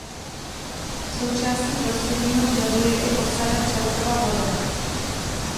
Součástí Prostředního Žlebu je i osada Čertova Voda.